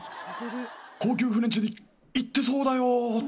高級フレンチに行ってそうだよ。